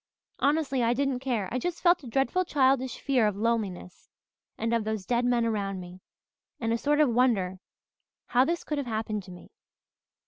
Honestly, I didn't care. I just felt a dreadful childish fear of loneliness and of those dead men around me, and a sort of wonder how this could have happened to me.